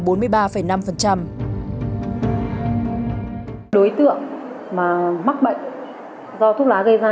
đối tượng mắc bệnh do thuốc lá gây ra